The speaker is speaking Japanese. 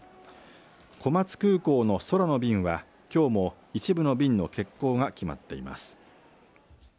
小松空港の空の便はきょうも一部の便の欠航が決まっています。